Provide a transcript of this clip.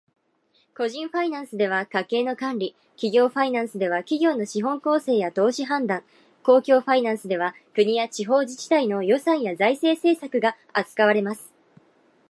個人ファイナンスでは家計の管理、企業ファイナンスでは企業の資本構成や投資判断、公共ファイナンスでは国や地方自治体の予算や財政政策が扱われます。